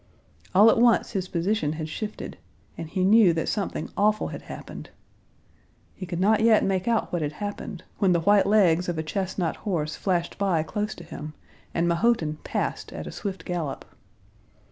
All at once his position had shifted and he knew that something awful had happened. He could not yet make out what had happened, when the white legs of a chestnut horse flashed by close to him, and Mahotin passed at a swift gallop.